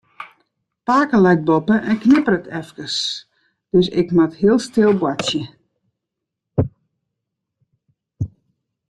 Pake leit boppe en knipperet efkes, dus ik moat hiel stil boartsje.